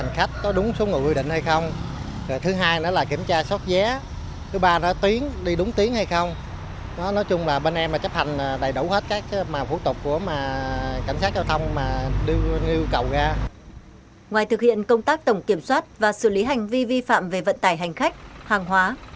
ngoài thực hiện công tác tổng kiểm soát và xử lý hành vi vi phạm về vận tải hành khách hàng hóa